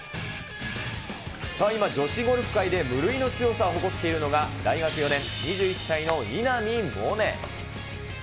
さあ、今女子ゴルフ界で無類の強さを誇っているのが、大学４年、２１歳の稲見萌寧。